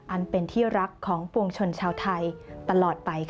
อันเป็นที่รักของปวงชนชาวไทยตลอดไปค่ะ